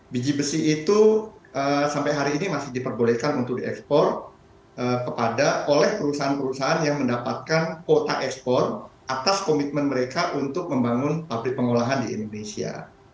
biji besi itu sampai hari ini masih diperbolehkan untuk diekspor oleh perusahaan perusahaan yang mendapatkan kuota ekspor atas komitmen mereka untuk membangun pabrik pengolahan di indonesia